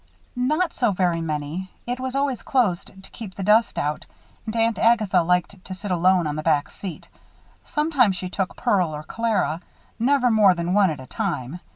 "Not so very many. It was always closed to keep the dust out and Aunt Agatha liked to sit alone on the back seat. Sometimes she took Pearl or Clara. Never more than one at a time.